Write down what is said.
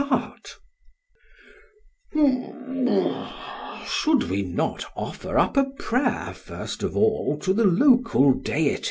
SOCRATES: Should we not offer up a prayer first of all to the local deities?